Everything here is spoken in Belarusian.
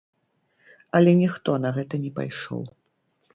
Але ніхто на гэта не пайшоў.